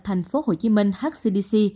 thành phố hồ chí minh hcdc